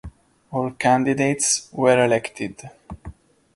All candidates were elected.